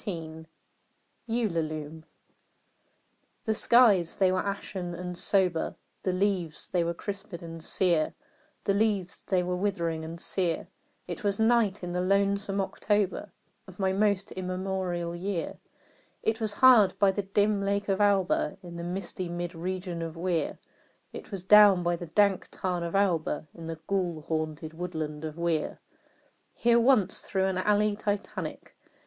ULALUME. The skies they were ashen and sober; The leaves they were crisped and sere The leaves they were withering and sere; It was night in the lonesome October Of my most immemorial year; It was hard by the dim lake of Auber, In the misty mid region of Weir It was down by the dank tarn of Auber, In the ghoul haunted woodland of Weir. Here once, through an alley Titanic.